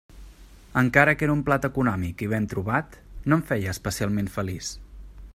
Encara que era un plat econòmic i ben trobat, no em feia especialment feliç.